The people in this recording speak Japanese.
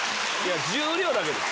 重量だけです。